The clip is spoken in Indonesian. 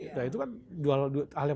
nah itu kan hal yang